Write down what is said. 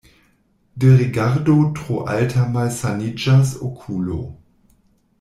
De rigardo tro alta malsaniĝas okulo.